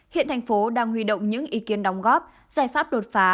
hiện thành phố đang huy động những ý kiến đóng góp giải pháp đột phá